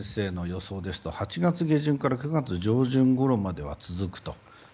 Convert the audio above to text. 予想ですと８月下旬から９月上旬ごろまでは続くと。